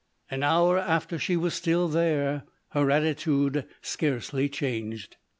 An hour after she was still there, her attitude scarcely changed.